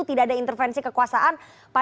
tidak ada intervensi kekuasaan